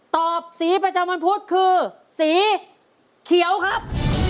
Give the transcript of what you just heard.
อบสีประจำวันพุธคือสีเขียวครับ